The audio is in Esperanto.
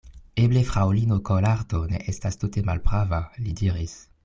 Eble fraŭlino Kolardo ne estas tute malprava, li diris.